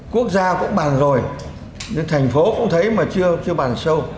quốc gia cũng bàn rồi nên thành phố cũng thấy mà chưa bàn sâu